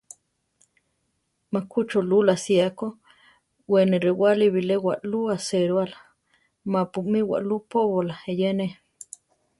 Má ku Cholula sía ko, we ne rewále bilé waʼlú aséroala ma-pu mí waʼlú póbola eyéne.